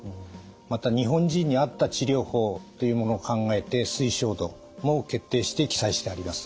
また日本人に合った治療法というものを考えて推奨度も決定して記載してあります。